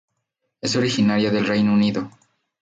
Es originaria del Reino Unido.